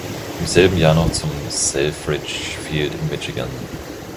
Im selben Jahr noch zum Selfridge Field in Michigan.